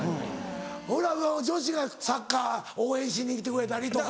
俺ら女子がサッカー応援しに来てくれたりとか。